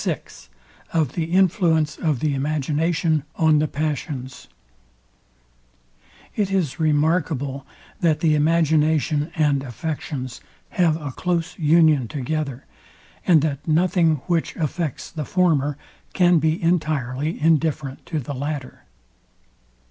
VI OF THE INFLUENCE OF THE IMAGINATION ON THE PASSIONS It is remarkable, that the imagination and affections have close union together, and that nothing, which affects the former, can be entirely indifferent to the latter.